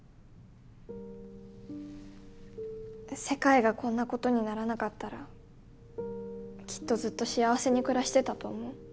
世界がこんなことにならなかったらきっとずっと幸せに暮らしてたと思う。